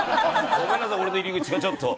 ごめんなさい俺の入り口がちょっと。